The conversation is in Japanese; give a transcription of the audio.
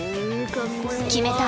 決めた。